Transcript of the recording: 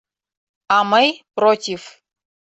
— А мый — против!